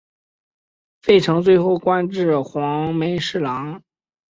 费承最后官至黄门侍郎。